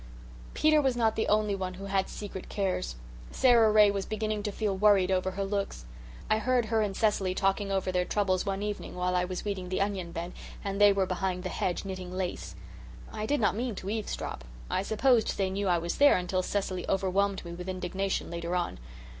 Peter was not the only one who had secret cares. Sara Ray was beginning to feel worried over her looks. I heard her and Cecily talking over their troubles one evening while I was weeding the onion bed and they were behind the hedge knitting lace. I did not mean to eavesdrop. I supposed they knew I was there until Cecily overwhelmed me with indignation later on.